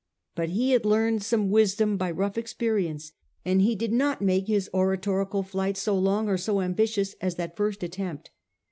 But he had learned some wisdom by rough experience, and he did not make his oratorical flights so long or so ambitious as that first attempt.